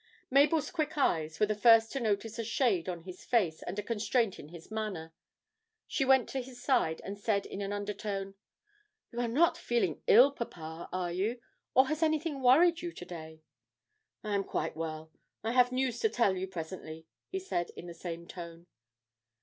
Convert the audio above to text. Mabel's quick eyes were the first to notice a shade on his face and a constraint in his manner; she went to his side and said in an undertone, 'You are not feeling ill, papa, are you, or has anything worried you to day?' 'I am quite well. I have news to tell you presently,' he said in the same tone.